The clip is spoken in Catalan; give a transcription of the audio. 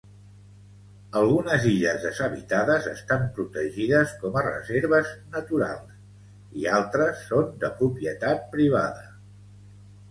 Algunes illes deshabitades estan protegides com a reserves naturals i altres són de propietat privada.